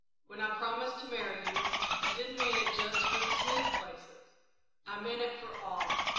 When I promised to marry you, I didn't mean it just for the smooth places, I meant it for all.